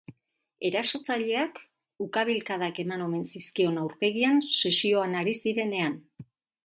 Erasotzaileak ukabilkadak eman omen zizkion aurpegian sesioan ari zirenean.